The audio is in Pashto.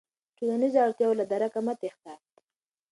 د ټولنیزو اړتیاوو له درکه مه تېښته.